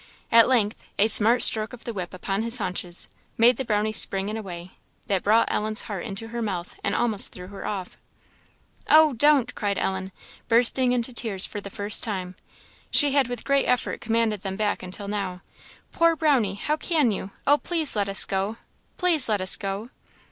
At length a smart stroke of the whip upon his haunches, made the Brownie spring in a way that brought Ellen's heart into her mouth and almost threw her off. "Oh, don't!" cried Ellen, bursting into tears for the first time she had with great effort commanded them back until now; "poor Brownie! How can you! Oh, please let us go! please let us go!"